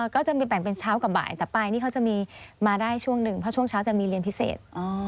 ก็จะมีแบ่งเป็นเช้ากับบ่ายแต่ปลายนี่เขาจะมีมาได้ช่วงหนึ่งเพราะช่วงเช้าจะมีเรียนพิเศษ